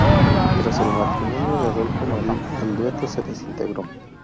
Tras el matrimonio de Adolfo Marín, el dueto se desintegró.